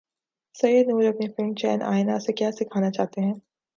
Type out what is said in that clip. سید نور اپنی فلم چین ائے نہ سے کیا سکھانا چاہتے ہیں